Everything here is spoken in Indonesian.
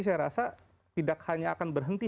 saya rasa tidak hanya akan berhenti